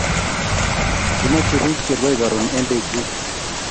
Kimache pik che rwae karun en Bejin